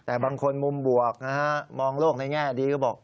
แต่บางคนมุมบวกนะฮะมองโลกในแง่ดีก็บอก